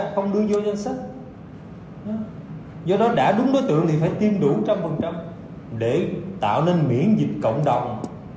không đưa vô danh sách do đó đã đúng đối tượng thì phải tiêm đủ một trăm linh để tạo nên miễn dịch cộng đồng